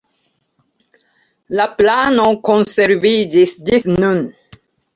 La plano konserviĝis ĝis nun.